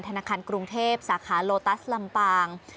ธนาคารกรุงเทพสาขาโลตัสลำปาง